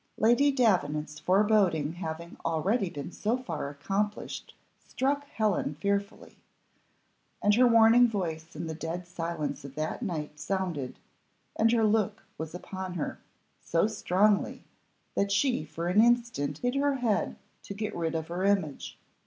Lady Davenant's foreboding having already been so far accomplished struck Helen fearfully, and her warning voice in the dead silence of that night sounded, and her look was upon her, so strongly, that she for an instant hid her head to get rid of her image.